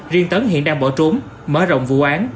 riêng tấn hiện đang bỏ trốn mở rộng vụ án